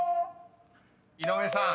［井上さん